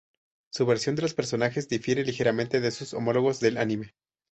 Su versión de los personajes difiere ligeramente de sus homólogos del anime.